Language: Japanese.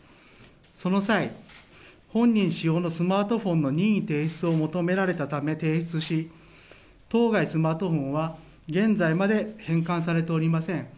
その際、本人使用のスマートフォンの任意提出を求められたため、提出し、当該スマートフォンは現在まで返還されておりません。